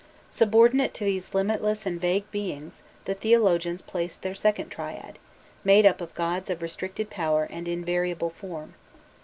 Subordinate to these limitless and vague beings, the theologians placed their second triad, made up of gods of restricted power and invariable form.